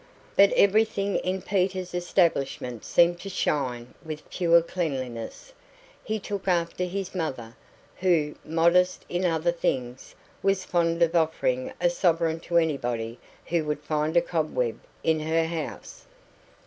But everything in Peter's establishment seemed to shine with pure cleanliness; he took after his mother, who, modest in other things, was fond of offering a sovereign to anybody who would find a cobweb in her house.